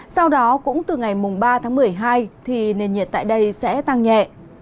sau đó cũng từ ngày ba tháng một mươi hai thì nền nhiệt tại đây sẽ tăng nhẹ